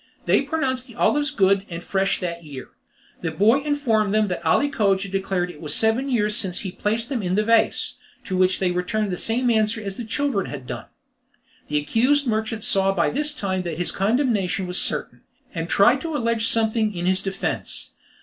They pronounced the olives good, and fresh that year. The boy informed them that Ali Cogia declared it was seven years since he had placed them in the vase; to which they returned the same answer as the children had done. The accused merchant saw by this time that his condemnation was certain, and tried to allege something in his defence.